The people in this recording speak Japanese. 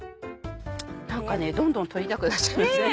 何かねどんどん取りたくなっちゃいますね。